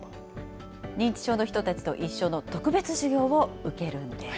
認知症の人たちと一緒の特別授業を受けるんです。